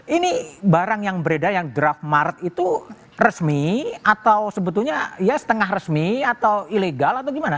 ini barang yang beredar yang draft maret itu resmi atau sebetulnya ya setengah resmi atau ilegal atau gimana